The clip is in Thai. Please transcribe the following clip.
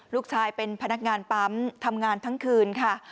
ลูกชายเป็นพนักงานปั๊มทำงานทั้งคืนค่ะ